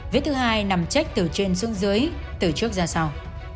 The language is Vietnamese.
vết thứ hai nằm chết từ trên xương dưới từ trước ra sau